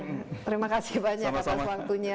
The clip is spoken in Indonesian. terima kasih banyak atas waktunya